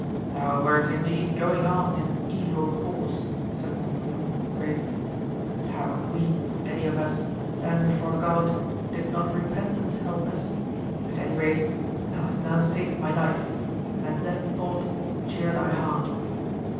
"Thou wert indeed going on in an evil course," said Montfaucon, gravely; "but how could we, any of us, stand before God, did not repentance help us? At any rate, thou hast now saved my life, and let that thought cheer thy heart."